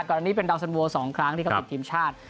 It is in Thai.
อันนี้เป็นดาวสันโว๒ครั้งที่เขาติดทีมชาติ